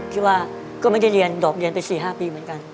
ที่ว่าก็ไม่ได้เรียนดอกเรียนไป๔๕ปีเหมือนกัน